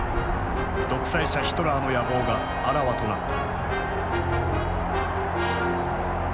独裁者ヒトラーの野望があらわとなった。